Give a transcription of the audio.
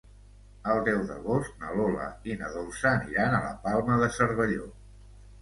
El deu d'agost na Lola i na Dolça aniran a la Palma de Cervelló.